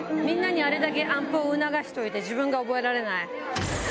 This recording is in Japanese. みんなに、あれだけ暗譜を促しておいて、自分が覚えられない。